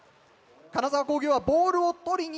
金沢工業はボールを取りに行く。